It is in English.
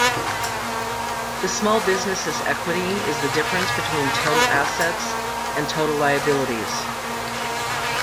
The small business's equity is the difference between total assets and total liabilities.